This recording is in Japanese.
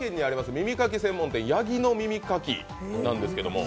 耳かき専門店八木の耳かきなんです。